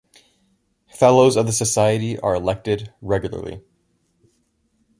Fellows of the Society are elected regularly.